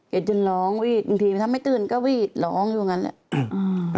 จนร้องวีดบางทีถ้าไม่ตื่นก็วีดร้องอยู่อย่างนั้นแหละ